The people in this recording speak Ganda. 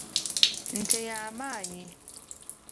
Nte yamannyi.